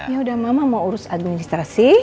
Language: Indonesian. ya udah mama mau urus administrasi